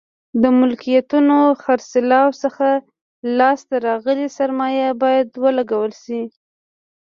د ملکیتونو خرڅلاو څخه لاس ته راغلې سرمایه باید ولګول شي.